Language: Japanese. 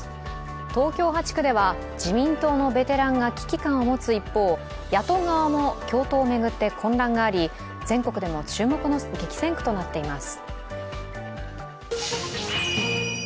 東京８区では自民党のベテランが危機感を持つ一方野党側も共闘を巡って混乱があり、全国でも注目の激戦区となっています。